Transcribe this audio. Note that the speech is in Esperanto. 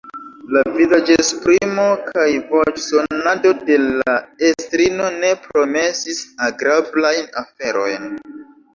La vizaĝesprimo kaj voĉsonado de la estrino ne promesis agrablajn aferojn.